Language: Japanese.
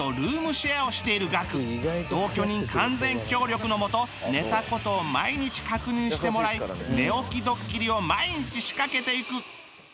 同居人完全協力のもと寝た事を毎日確認してもらい寝起きドッキリを毎日仕掛けていく